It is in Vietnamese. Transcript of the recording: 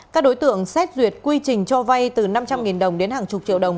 các đối tượng xét duyệt quy trình cho vay từ năm trăm linh đồng đến hàng chục triệu đồng